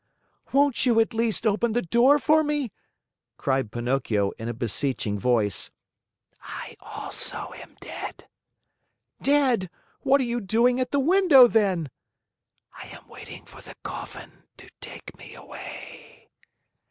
"Won't you, at least, open the door for me?" cried Pinocchio in a beseeching voice. "I also am dead." "Dead? What are you doing at the window, then?" "I am waiting for the coffin to take me away."